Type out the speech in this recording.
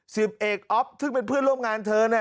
สิบเอกอ๊อฟซึ่งเป็นเพื่อนร่วมงานเธอเนี่ย